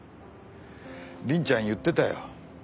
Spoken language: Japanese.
凛ちゃん言ってたよ。